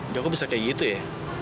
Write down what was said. gak kok bisa kayak gitu ya